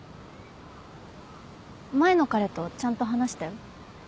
前の彼とちゃんと話したよ。